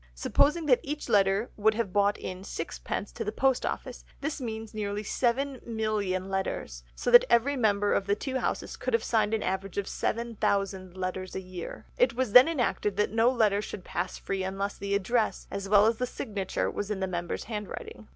Supposing that each letter would have brought in sixpence to the post office, this means nearly 7,000,000 letters, so that every member of the two Houses would have signed an average of 7000 letters a year. It was then enacted that no letter should pass free unless the address, as well as the signature, was in the member's handwriting.